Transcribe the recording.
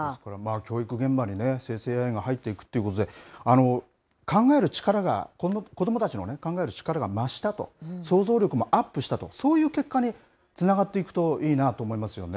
教育現場に生成ＡＩが入っていくということで、考える力が、子どもたちの考える力が増したと、想像力もアップしたと、そういう結果につながっていくといいなと思いますよね。